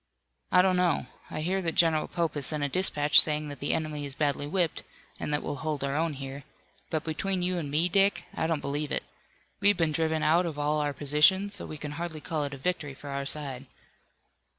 "I don't know. I hear that General Pope has sent a dispatch saying that the enemy is badly whipped, and that we'll hold our own here. But between you and me, Dick, I don't believe it. We've been driven out of all our positions, so we can hardly call it a victory for our side."